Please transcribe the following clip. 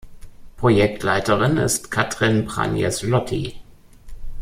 Projektleiterin ist Katrin Pranjes-Lotti.